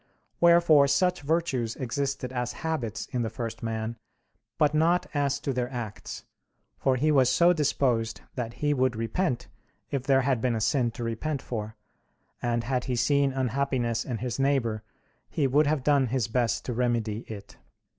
Wherefore such virtues existed as habits in the first man, but not as to their acts; for he was so disposed that he would repent, if there had been a sin to repent for; and had he seen unhappiness in his neighbor, he would have done his best to remedy it.